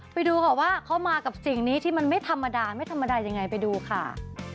ไปดูก่อนว่าเขามากับสิ่งนี้ที่ไม่ธรรมดายังไงไปดูค่ะ